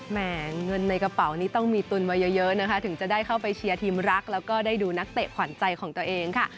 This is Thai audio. เงินในกระเป๋านี้ต้องมีตุนไว้เยอะนะคะถึงจะได้เข้าไปเชียร์ทีมรักแล้วก็ได้ดูนักเตะขวัญใจของตัวเองค่ะ